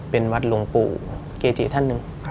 เป็นวัดหลวงปู่เกจิท่านหนึ่ง